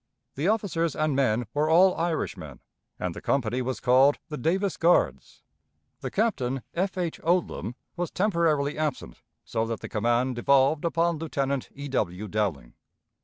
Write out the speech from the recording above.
The officers and men were all Irishmen, and the company was called the "Davis Guards." The captain, F. H. Odlum, was temporarily absent, so that the command devolved upon Lieutenant E. W. Dowling.